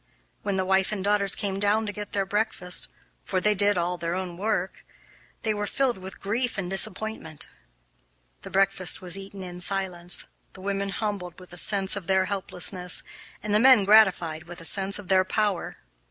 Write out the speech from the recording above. When the wife and daughters came down to get their breakfast (for they did all their own work) they were filled with grief and disappointment. The breakfast was eaten in silence, the women humbled with a sense of their helplessness, and the men gratified with a sense of their power.